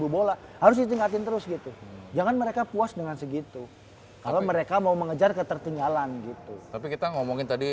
seribu bola harus ditingkatin terus gitu jangan mereka puas dengan segitu kalau mereka mau mengejar